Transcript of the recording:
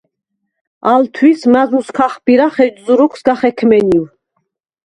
ალ თვის მაზუს ქახბირახ, ეჯზუ როქვ სგა ხექმენივ.